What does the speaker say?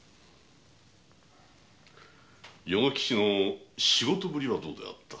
与之吉の仕事ぶりはどうであった？